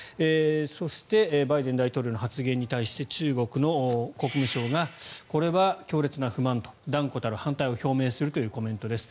そしてバイデン大統領の発言に対して中国の国務省がこれは強烈な不満と断固たる反対を表明するというコメントです。